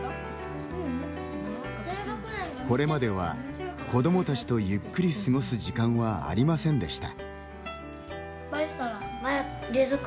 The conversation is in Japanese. これまでは、子どもたちとゆっくり過ごす時間はありませんでした。